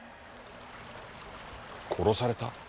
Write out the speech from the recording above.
殺された？